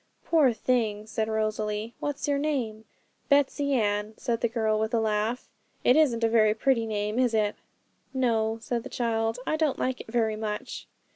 'Poor thing!' said Rosalie. 'What is your name?' 'Betsey Ann,' said the girl, with a laugh; 'it isn't a very pretty name, is it?' 'No,' said the child; 'I don't like it very much.'